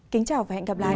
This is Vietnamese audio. kính chào và hẹn gặp lại